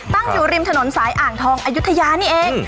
ตั้งอยู่ริมถนนสายอ่างทองอายุทยานี่เอง